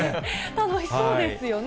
楽しそうですよね。